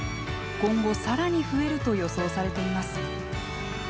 今後、さらに増えると予想されています。